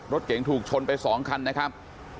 รถเก๋งถูกชนไป๒คันนะครับ